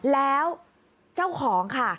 แล้วเจ้าของค่ะ